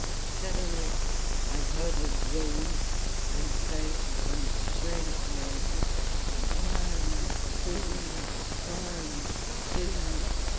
Suddenly I heard her groan, and say in a strange voice, "One two one two!"